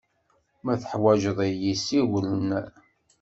Ma teḥwaǧeḍ-iyi, siwel-n.